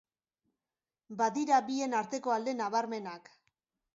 Badira bien arteko alde nabarmenak.